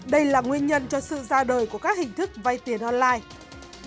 đây là nguyên nhân cho sự ra đời của các hình thức vay tiền online